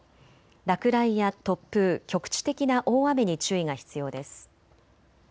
落雷や突風、局地的な大雨に注意が必要です。